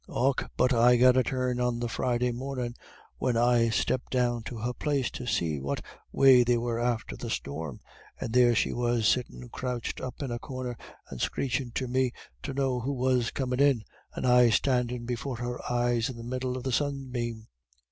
"Och, but I got a turn on the Friday mornin' when I stepped down to her place to see what way they were after the storm, and there she was sittin' crouched up in a corner, and screechin' to me to know who was comin' in, and I standin' before her eyes in the middle of a sun bame.